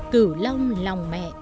cửu long lòng mẹ